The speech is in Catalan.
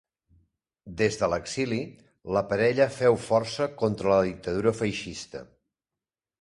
Des de l'exili, la parella féu força contra la dictadura feixista.